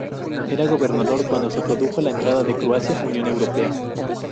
Era gobernador cuando se produjo la entrada de Croacia Unión Europea.